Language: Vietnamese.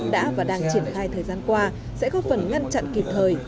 đã và đang triển khai thời gian qua sẽ góp phần ngăn chặn kịp thời